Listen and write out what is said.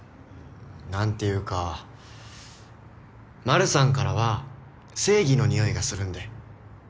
何て言うか丸さんからは正義のにおいがするんで。